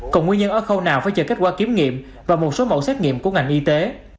còn nguyên nhân ở khâu nào phải chờ kết quả kiểm nghiệm và một số mẫu xét nghiệm của ngành y tế